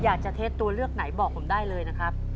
เท็จตัวเลือกไหนบอกผมได้เลยนะครับ